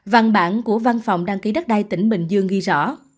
văn bản của văn phòng đăng ký đất đai tỉnh bình dương ghi rõ